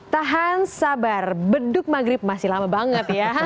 tahan sabar beduk maghrib masih lama banget ya